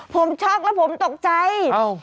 ผมช็อกแล้วผมตกใจ